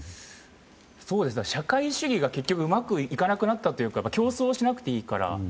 社会主義が結局うまくいかなくなったというか競争しなくていいから。